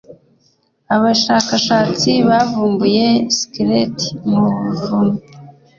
Abashakashatsi bavumbuye skeleti mu buvumo.